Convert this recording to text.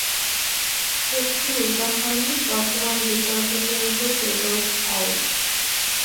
একটি উদাহরণ বর্তমান বিতর্ক কেন্দ্র দ্য রোড হওড।